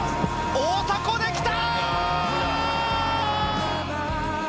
大迫で来た！